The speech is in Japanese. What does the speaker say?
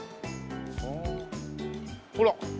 ほら。